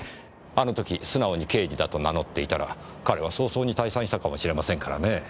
あの時素直に刑事だと名乗っていたら彼は早々に退散したかもしれませんからねぇ。